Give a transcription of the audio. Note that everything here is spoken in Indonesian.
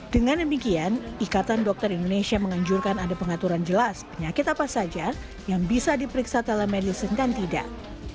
dengan demikian ikatan dokter indonesia menganjurkan ada pengaturan jelas penyakit apa saja yang bisa diperiksa telemedicine dan tidak